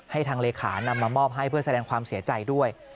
ทางเลขานำมามอบให้เพื่อแสดงความเสียใจด้วย